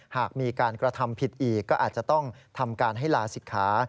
หากมีการกระทำผิดอีกก็อาจจะต้องทำการให้ลาศิกขา